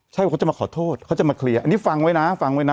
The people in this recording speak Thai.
ใช่ว่าเขาจะมาขอโทษเขาจะมาเคลียร์อันนี้ฟังไว้นะฟังไว้นะ